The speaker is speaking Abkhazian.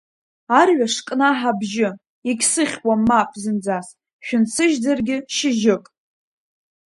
Арҩаш кнаҳа абжьы, егьсыхьуам, мап, зынӡас, шәынсыжьӡаргьы шьыжьык.